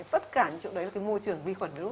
tất cả những chỗ đấy là môi trường vi khuẩn